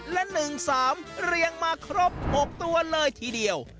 และ๑๓เรียงมาครบ๖ตัวเลยทีเดียว